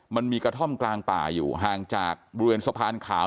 มันมีกระท่อมกลางป่าอยู่ห่างจากบริเวณสะพานขาว